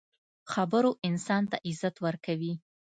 خبرو انسان ته عزت ورکوي.